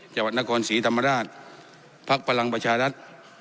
จังหวัดนครศรีธรรมราชภักดิ์พลังประชารัฐ